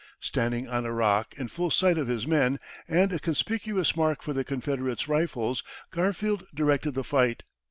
Standing on a rock in full sight of his men, and a conspicuous mark for the Confederates' rifles, Garfield directed the fight.